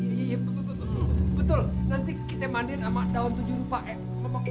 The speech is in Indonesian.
iya betul nanti kita mandiin sama daun tujuh rupa ya